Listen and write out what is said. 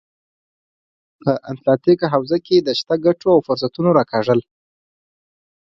په اتلانتیک حوزه کې شته ګټو او فرصتونو راکاږل.